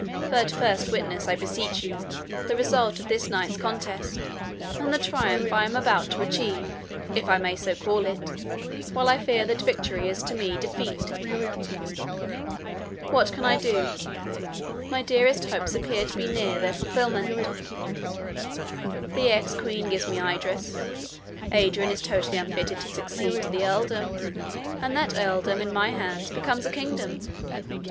But first witness, I beseech you, the result of this night's contest, and the triumph I am about to achieve, if I may so call it, while I fear that victory is to me defeat. What can I do? My dearest hopes appear to be near their fulfilment. The ex queen gives me Idris; Adrian is totally unfitted to succeed to the earldom, and that earldom in my hands becomes a kingdom.